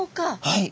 はい。